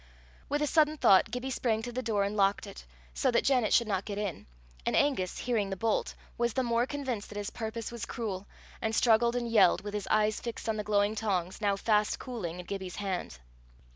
With a sudden thought Gibbie sprang to the door and locked it, so that Janet should not get in, and Angus, hearing the bolt, was the more convinced that his purpose was cruel, and struggled and yelled, with his eyes fixed on the glowing tongs, now fast cooling in Gibbie's hand.